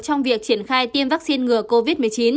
trong việc triển khai tiêm vaccine ngừa covid một mươi chín